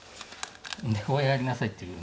で「こうやりなさい」って。